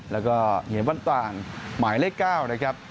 แล้วก็เหนียววันต่างหมายเลข๙